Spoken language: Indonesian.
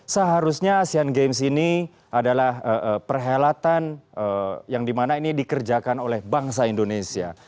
seharusnya asean games ini adalah perhelatan yang dimana ini dikerjakan oleh bangsa indonesia